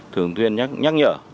thường tuyên nhắc nhở